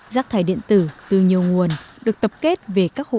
rác thải điện tử từ nhiều nguồn được tập kết về các hộ